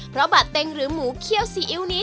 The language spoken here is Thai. เพราะบาดเต็งหรือหมูเคี่ยวซีอิ๊วนี้